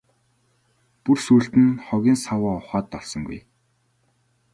Бүр сүүлд нь хогийн саваа ухаад олсонгүй.